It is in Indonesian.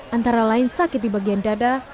antara lain sakit di bagian dada